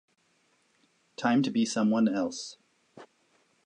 Time to be someone else.